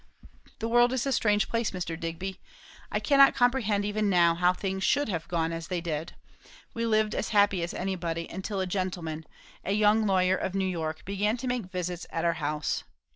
"The world is a strange place, Mr. Digby! I cannot comprehend, even now, how things should have gone as they did. We lived as happy as anybody; until a gentleman, a young lawyer of New York, began to make visits at our house.